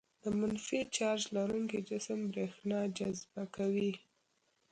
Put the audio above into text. د منفي چارج لرونکي جسم برېښنا جذبه کوي.